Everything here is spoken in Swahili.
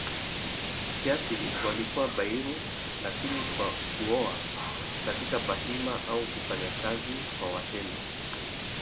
kiasili walikuwa Bairu lakini kwa kuoa katika Bahima au kufanya kazi kwa Watemi